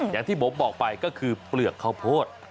อย่างที่ผมบอกไปก็คือเปลือกข้าวโพด